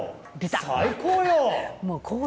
最高よう。